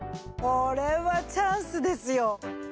これはチャンスですよ。